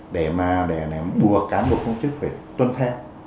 để mà để buộc cán bộ công chức phải tuân theo